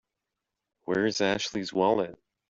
Where's Ashley's wallet?